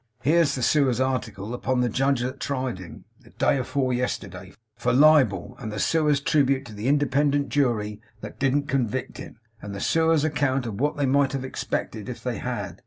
Here's the Sewer's article upon the Judge that tried him, day afore yesterday, for libel, and the Sewer's tribute to the independent Jury that didn't convict him, and the Sewer's account of what they might have expected if they had!